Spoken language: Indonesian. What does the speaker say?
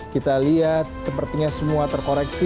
kita lihat sepertinya semua terkoreksi